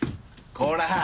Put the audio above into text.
こら！